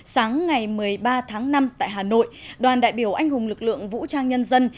sáng ngày một mươi ba tháng năm tại hà nội đoàn đại biểu anh hùng lực lượng vũ trang nhân dân